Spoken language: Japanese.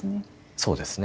そうですね。